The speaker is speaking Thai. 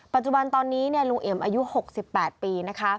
ปัจจุบันตอนนี้ลุงเอ็มอายุ๖๘ปีนะคะ